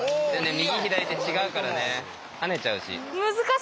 右左で違うからね跳ねちゃうし。